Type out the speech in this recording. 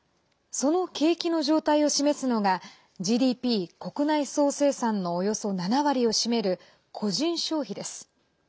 その景気の状態を示すのがＧＤＰ＝国内総生産のおよそ７割を占める個人消費です。